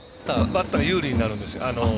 バッターは有利になるんです。